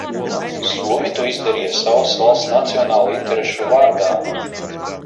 Somi to izdarīja savas valsts nacionālo interešu vārdā.